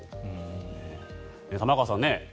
玉川さんね